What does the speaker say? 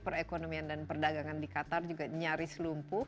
perekonomian dan perdagangan di qatar juga nyaris lumpuh